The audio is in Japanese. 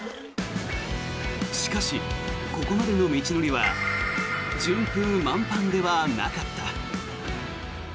しかし、ここまでの道のりは順風満帆ではなかった。